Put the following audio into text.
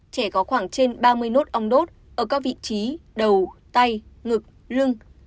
trẻ có khoảng trên ba mươi nốt ong đốt ở các vị trí đầu tay ngực lưng